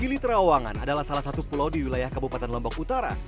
gili terawangan adalah salah satu pulau di wilayah kabupaten lombok utara